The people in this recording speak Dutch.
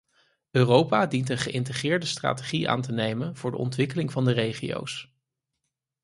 Europa dient een geïntegreerde strategie aan te nemen voor de ontwikkeling van de regio's.